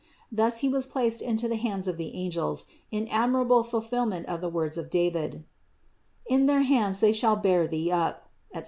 Thus He was placed into the hands of the angels, in admirable fulfillment of the words of David : "In their hands they shall bear Thee up," etc.